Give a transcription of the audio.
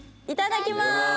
いただきます。